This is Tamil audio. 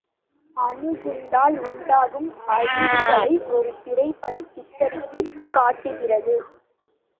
அணுகுண்டால் உண்டாகும் அழிவுகளை ஒரு திரைப்படம் சித்திரித்துக் காட்டுகிறது.